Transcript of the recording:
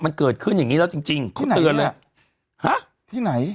มันเกิดขึ้นอย่างงี้แล้วจริงจริงเขาเตือนเลยฮะที่ไหน